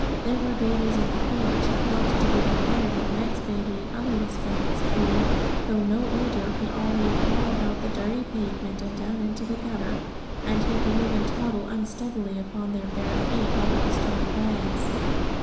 There were babies in the court, not to be compared with Meg's baby in other respects, who, though no older, could already crawl about the dirty pavement and down into the gutter, and who could even toddle unsteadily, upon their little bare feet, over the stone flags.